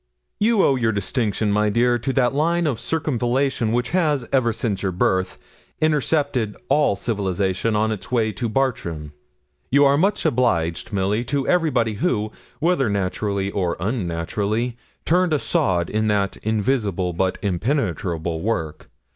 You owe your distinction, my dear, to that line of circumvallation which has, ever since your birth, intercepted all civilisation on its way to Bartram. You are much obliged, Milly, to everybody who, whether naturally or un naturally, turned a sod in that invisible, but impenetrable, work.